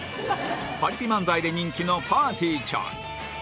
パリピ漫才で人気のぱーてぃーちゃん